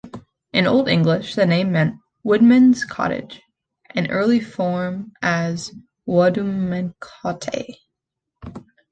In old English the name meant 'woodmen's cottage' and an early form was Wudumannacote.